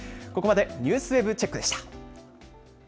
ＮＥＷＳＷＥＢチェックでした。